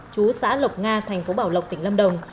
chú xã lộc nga thành phố bảo lộc tỉnh lâm đồng